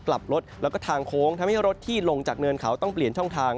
กลับรถแล้วก็ทางโค้งทำให้รถที่ลงจากเนินเขาต้องเปลี่ยนช่องทาง